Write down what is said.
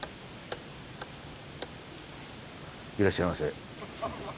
いらっしゃいませ。